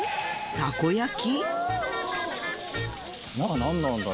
たこ焼き。